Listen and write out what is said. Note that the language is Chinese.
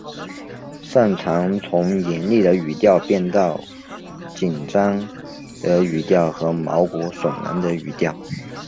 善长从严厉的语调到变成紧张的语调和毛骨悚然的语调。